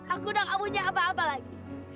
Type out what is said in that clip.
aku udah gak punya apa apa lagi